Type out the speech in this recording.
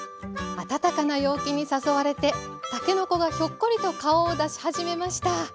暖かな陽気に誘われてたけのこがひょっこりと顔を出し始めました。